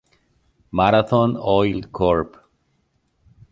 Marathon Oil Corp.